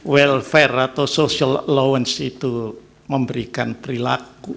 welfare atau social allowance itu memberikan perilaku